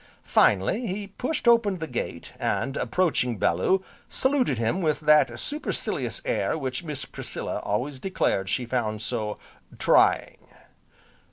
Finally, he pushed open the gate, and, approaching Bellew, saluted him with that supercilious air which Miss Priscilla always declared she found so "trying."